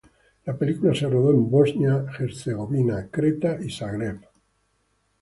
La película se rodó en Bosnia Herzegovina, Creta y Zagreb.